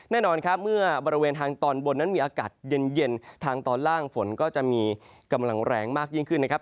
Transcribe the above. แน่นอนครับเมื่อบริเวณทางตอนบนนั้นมีอากาศเย็นทางตอนล่างฝนก็จะมีกำลังแรงมากยิ่งขึ้นนะครับ